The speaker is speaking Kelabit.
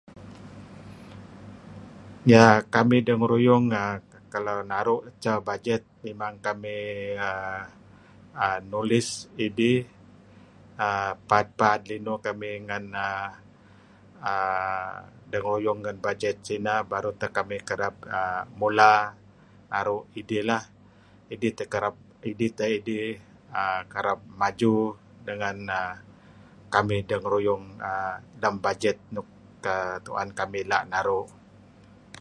Nier kamih dengaruyung nga' kalau naru' ceh bajet tuen kamih nulis idih paad-paad linuh kamih uhm peruyung ngen bajet sineh baru tah kamih kerab mula' naru' idih lah. Idih tah idih kereb maju dengan kamih dengaruyung uhm lam bajet nuk uhm tuen kamih la' naru' .